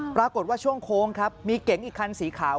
ปรากฏว่าช่วงโค้งครับมีเก๋งอีกคันสีขาว